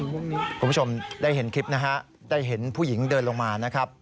คุณผู้ชมได้เห็นคลิปนะฮะได้เห็นผู้หญิงเดินลงมานะครับ